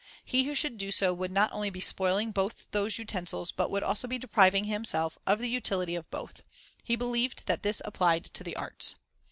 He who should do so would not only be spoiling both those utensils, but would also be depriving himself of the utility of both. He believed that this applied to the arts.